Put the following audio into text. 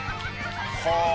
はあ。